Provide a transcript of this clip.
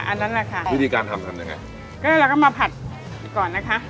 อันนั้นแหละค่ะวิธีการทำทำยังไงก็เราก็มาผัดก่อนนะคะ